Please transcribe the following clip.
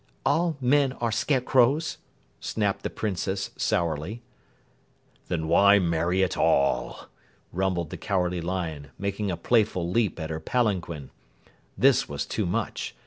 "All men are Scarecrows," snapped the Princess sourly. "Then why marry at all?" rumbled the Cowardly Lion, making a playful leap at her palanquin. This was too much.